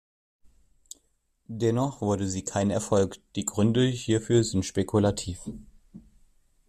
Dennoch wurde sie kein Erfolg, die Gründe hierfür sind spekulativ.